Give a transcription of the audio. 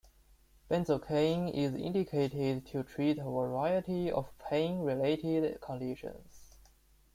Benzocaine is indicated to treat a variety of pain-related conditions.